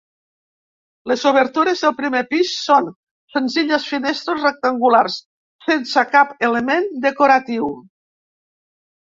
Les obertures del primer pis són senzilles finestres rectangulars sense cap element decoratiu.